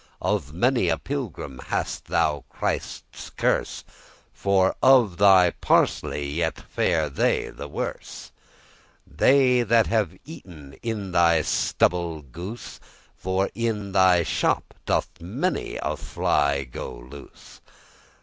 Of many a pilgrim hast thou Christe's curse, For of thy parsley yet fare they the worse. That they have eaten in thy stubble goose: For in thy shop doth many a fly go loose.